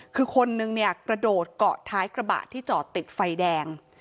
คือคนนึงเนี่ยกระโดดเกาะท้ายกระบะที่จอดติดไฟแดง